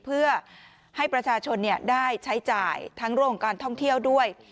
เพื่อให้ประชาชนได้ใช้จ่ายทั้งเรื่องของการท่องเที่ยวด้วย